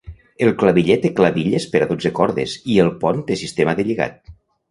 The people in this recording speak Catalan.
El claviller té clavilles per a dotze cordes i el pont té sistema de lligat.